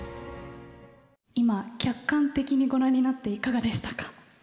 今客観的に御覧になっていかがでしたか？